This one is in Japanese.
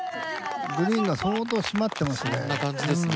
グリーンが相当締まってますね。